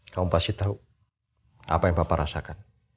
kamu pasti tahu apa yang bapak rasakan